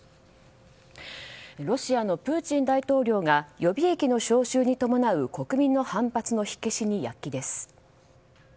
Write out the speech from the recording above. ロシアのプーチン大統領が予備役の招集に伴う国民の反発の火消しに躍起です。